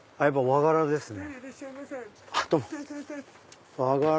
和柄ですね。